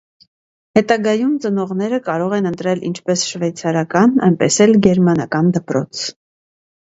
Հետագայում ծնողները կարող են ընտրել ինչպես շվեյցարական, այնպես էլ գերմանական դպրոց։